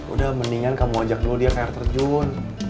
udah mendingan kamu ajak dulu dia ke air terjun